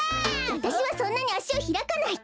わたしはそんなにあしをひらかない！